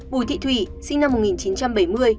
bùi thị thủy sinh năm một nghìn chín trăm bảy mươi